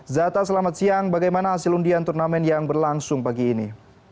zata selamat siang bagaimana hasil undian turnamen yang berlangsung pagi ini